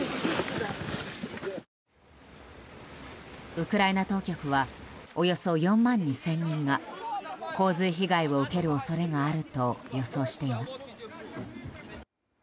ウクライナ当局はおよそ４万２０００人が洪水被害を受ける恐れがあると予想しています。